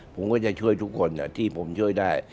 ผมก็จะช่วยทุกคนที่ผมช่วยได้